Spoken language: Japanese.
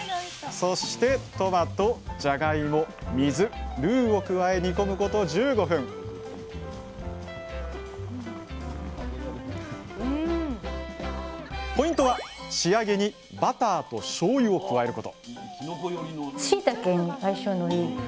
そしてトマトじゃがいも水ルーを加え煮込むこと１５分ポイントは仕上げにバターとしょうゆを加えること！